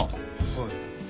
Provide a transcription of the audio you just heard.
はい。